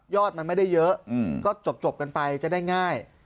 มันไม่ได้เยอะก็จบกันไปจะได้ง่าย